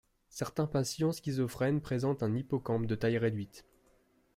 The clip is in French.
Certains patients schizophrènes présentent un hippocampe de taille réduite.